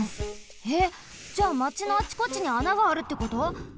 えっじゃあまちのあちこちにあながあるってこと！？